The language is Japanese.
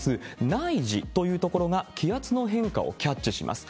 内耳というところが気圧の変化をキャッチします。